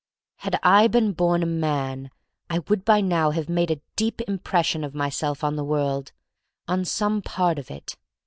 Had I been born a man I would by now have made a deep impression of myself on the world — on some part of it.